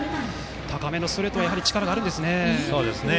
高めのストレートは力があるんですね。